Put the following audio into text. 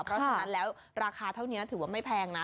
เพราะฉะนั้นแล้วราคาเท่านี้ถือว่าไม่แพงนะ